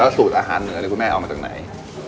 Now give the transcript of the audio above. แล้วสูตรอาหารเนื้อของพี่แม่เอามาจากไหน